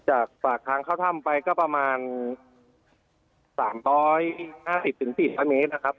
จากปากทางเข้าถ้ำไปก็ประมาณ๓๕๐๔๐๐เมตรนะครับ